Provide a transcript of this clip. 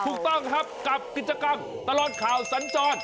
ถูกต้องครับกับกิจกรรมตลอดข่าวสัญจร